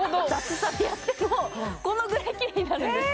雑さでやっててもこのぐらいキレイになるんです